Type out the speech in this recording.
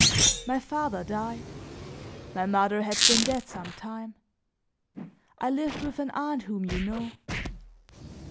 My father died; my mother had been dead some time. I lived with an aunt whom you know.